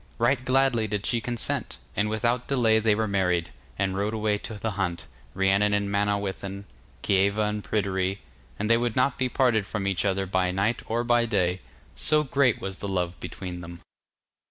Right gladly did she consent, and without delay they were married, and rode away to the hunt, Rhiannon and Manawyddan, Kieva and Pryderi, and they would not be parted from each other by night or by day, so great was the love between them.